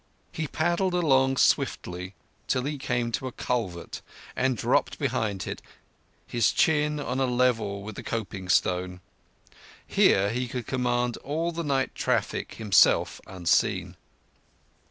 He paddled along swiftly till he came to a culvert, and dropped behind it, his chin on a level with the coping stone. Here he could command all the night traffic, himself unseen.